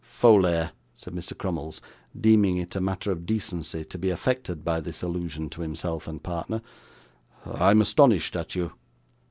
'Folair,' said Mr. Crummles, deeming it a matter of decency to be affected by this allusion to himself and partner, 'I'm astonished at you.